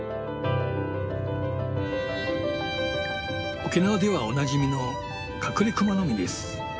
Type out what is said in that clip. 沖縄ではおなじみのカクレクマノミです。